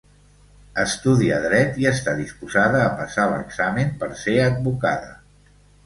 Estudia dret i està disposada a passar l'examen per ser advocada.